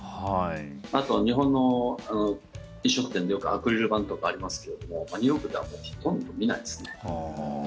あと、日本の飲食店でよくアクリル板とかありますけどニューヨークではほとんど見ないですね。